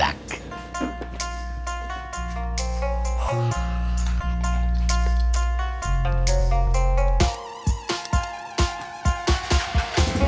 gak ada kakaknya